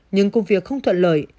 nhưng công việc không thuận lợi